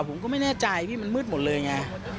ผมก็ไม่แน่ใจพี่มันมืดหมดเลยไง